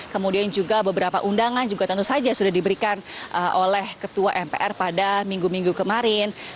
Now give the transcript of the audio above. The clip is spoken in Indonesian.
kemudian juga beberapa undangan juga tentu saja sudah diberikan oleh ketua mpr pada minggu minggu kemarin